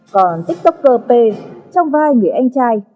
còn tiktoker p trong vai người anh trai